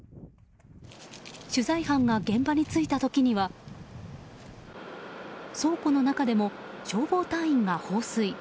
取材班が現場に着いた時には倉庫の中でも消防隊員が放水。